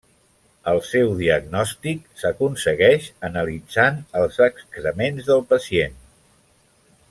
El seu diagnòstic s'aconsegueix analitzant els excrements del pacient.